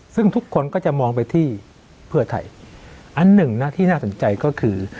ซึ่งทุกคนก็จะมองไปที่เพื่อไทยอันหนึ่งนะที่น่าสนใจก็คือ